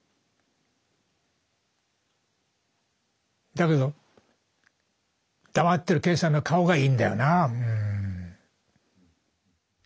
だけど黙ってる健さんの顔がいいんだよなうん。